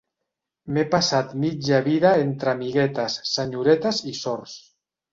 M'he passat mitja vida entre amiguetes, senyoretes i sors.